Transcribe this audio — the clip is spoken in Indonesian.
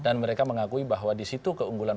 dan mereka mengakui bahwa disitu keunggulan